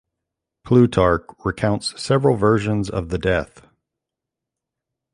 Plutarch recounts several versions of the death.